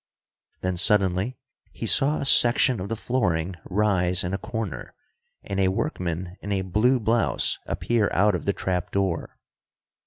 Then suddenly he saw a section of the flooring rise in a corner, and a workman in a blue blouse appear out of the trap door.